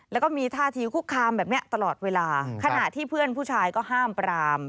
แล้วก็มีท่าทีคุกคามแบบนี้ตลอดเวลาขณะที่เพื่อนผู้ชายก็ห้ามปราม